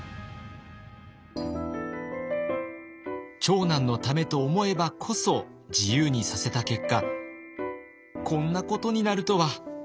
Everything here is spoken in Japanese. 長男のためと思えばこそ自由にさせた結果こんなことになるとは。